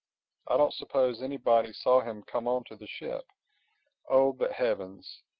I don't suppose anybody saw him come on to the ship—Oh, but Heavens!